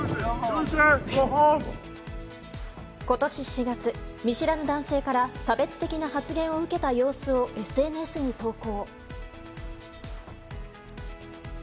今年４月、見知らぬ男性から差別的な発言を受けた様子をＳＮＳに投稿。